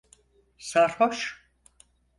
Sarhoş!